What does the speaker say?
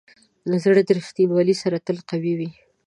زړه د ریښتینولي سره تل قوي وي.